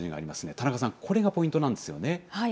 田中さん、これがポイントなんですよね。